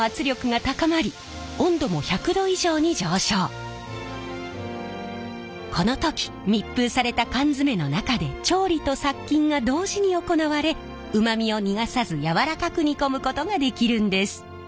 するとこの時密封された缶詰の中で調理と殺菌が同時に行われうまみを逃がさずやわらかく煮込むことができるんです。